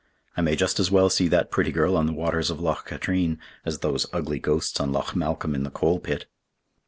I may just as well see that pretty girl on the waters of Loch Katrine, as those ugly ghosts on Loch Malcolm in the coal pit."